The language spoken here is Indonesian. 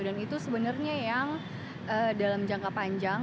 dan itu sebenarnya yang dalam jangka panjang